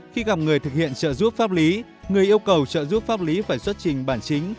khi gặp người thực hiện trợ giúp pháp lý người yêu cầu trợ giúp pháp lý phải xuất trình bản chính